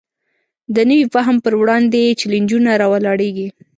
د نوي فهم پر وړاندې چلینجونه راولاړېږي.